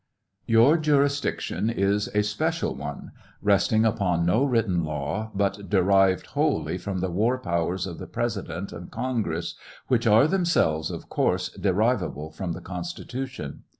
Your jurisdiction is a special one, resting upon no written law, but derived wholly from the war powers of the President and Congress, which are themselves of course derivable from the Constitution.